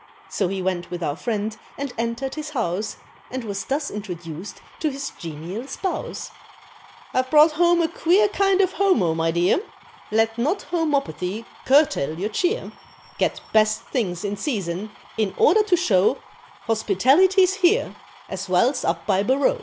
So he went with our friend and entered his house, And was thus introduced to his genial spouse. "I've brought home a queer kind of homo, my dear, Let not home opathy curtail your cheer, Get best things in season, in order to show Hospitality's here as well's up by Barroo!"